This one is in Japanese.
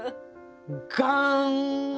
ガン。